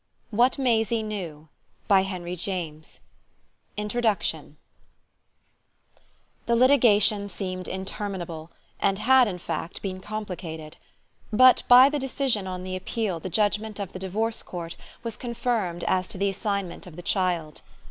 WHAT MAISIE KNEW by HENRY JAMES The litigation seemed interminable and had in fact been complicated; but by the decision on the appeal the judgement of the divorce court was confirmed as to the assignment of the child.